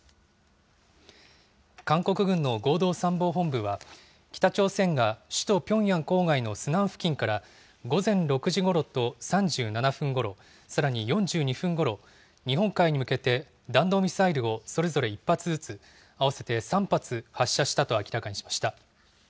韓国軍の合同参謀本部は、北朝鮮が首都ピョンヤン郊外のスナン付近から午前６時ごろと３７分ごろ、さらに４２分ごろ、日本海に向けて弾道ミサイルをそれぞれ１発ずつ、合わせて３発発射したと明らかにしました。